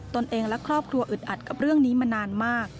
ตนเองและครอบครัวอึดอัดกับเรื่องนี้มานานมาก